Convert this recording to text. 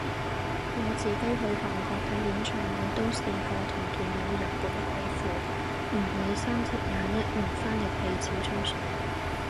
我自己去韓國睇演唱會都試過同團有日本貴婦，唔理三七廿一用翻譯器照吹水